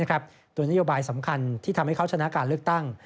ตัวนโยบายสำคัญที่ทำให้เขาชนะการเลือกตั้ง